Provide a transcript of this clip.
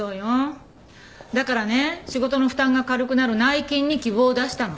だからね仕事の負担が軽くなる内勤に希望を出したの。